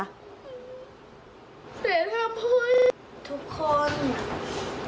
สวัสดีมากครับครับ